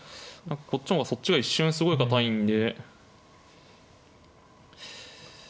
こっちもそっちが一瞬すごい堅いんで。